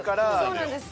そうなんです。